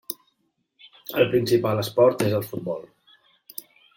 El principal esport és el futbol.